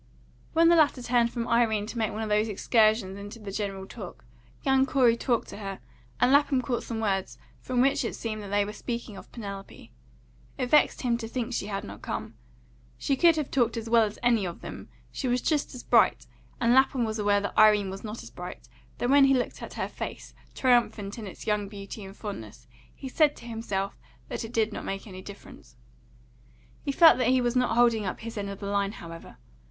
When the latter turned from Irene to make one of these excursions into the general talk, young Corey talked to her; and Lapham caught some words from which it seemed that they were speaking of Penelope. It vexed him to think she had not come; she could have talked as well as any of them; she was just as bright; and Lapham was aware that Irene was not as bright, though when he looked at her face, triumphant in its young beauty and fondness, he said to himself that it did not make any difference. He felt that he was not holding up his end of the line, however.